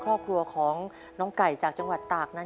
ครอบครัวของน้องไก่จากจังหวัดตากนั้น